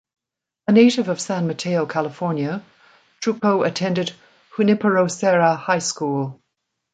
A native of San Mateo, California, Trucco attended Junipero Serra High School.